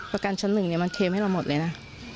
ประกันชั้นหนึ่งมันเคมให้เราหมดเลยนะ